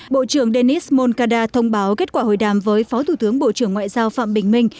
bộ trưởng denis moncada thông báo kết quả hội đàm với phó thủ tướng bộ trưởng ngoại giao phạm bình minh